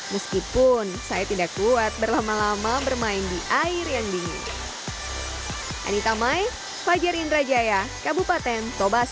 meskipun saya tidak kuat berlama lama bermain di air yang dingin